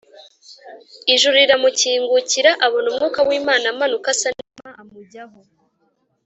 ijuru riramukingukira abona Umwuka w’Imana amanuka asa n’inuma amujyaho